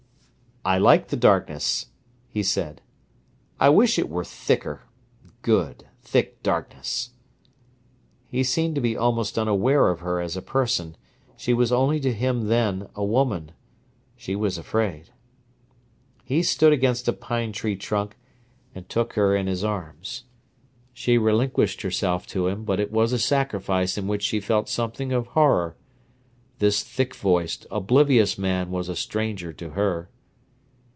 "I like the darkness," he said. "I wish it were thicker—good, thick darkness." He seemed to be almost unaware of her as a person: she was only to him then a woman. She was afraid. He stood against a pine tree trunk and took her in his arms. She relinquished herself to him, but it was a sacrifice in which she felt something of horror. This thick voiced, oblivious man was a stranger to her.